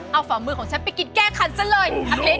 เอาฝ่ามือของฉันไปกินแก้ขันซะเลย